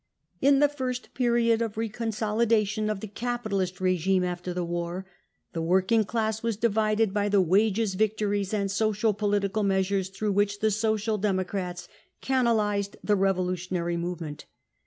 ,.." In the first period of re consolidation of the capitalist regime after the war, the working class was divided by the wages victories and social political measures through which the Social Democrats canalised the revolutionary movement.